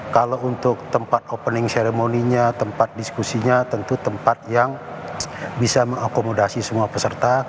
kalau untuk tempat opening ceremony nya tempat diskusinya tentu tempat yang bisa mengakomodasi semua peserta